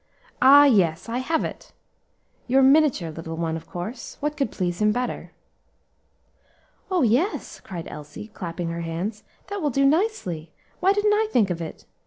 "Ah! yes, I have it! your miniature, little one, of course; what could please him better?" "Oh! yes," cried Elsie, clapping her hands, "that will do nicely; why didn't I think of it?